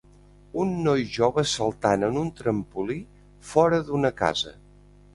un noi jove saltant en un trampolí fora d'una casa